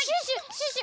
シュッシュ！